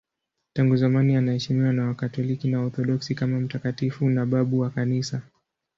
Tangu zamani anaheshimiwa na Wakatoliki na Waorthodoksi kama mtakatifu na babu wa Kanisa.